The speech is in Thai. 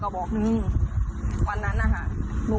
ครับคุณต่อสู้